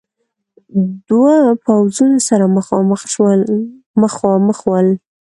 دو پوځونه سره مخامخ ول.